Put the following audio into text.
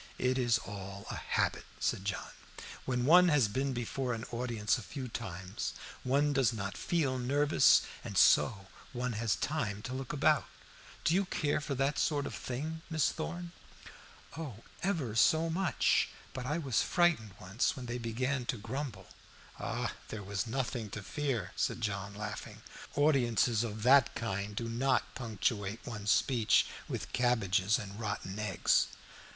"It is all a habit," said John. "When one has been before an audience a few times one does not feel nervous, and so one has time to look about. Do you care for that sort of thing, Miss Thorn?" "Oh, ever so much. But I was frightened once, when they began to grumble." "There was nothing to fear," said John, laughing. "Audiences of that kind do not punctuate one's speeches with cabbages and rotten eggs."